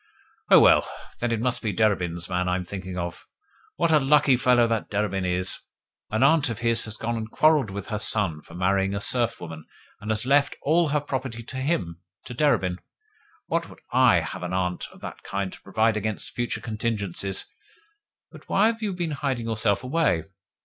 "Oh, well. Then it must be Derebin's man I am thinking of. What a lucky fellow that Derebin is! An aunt of his has gone and quarrelled with her son for marrying a serf woman, and has left all her property to HIM, to Derebin. Would that I had an aunt of that kind to provide against future contingencies! But why have you been hiding yourself away?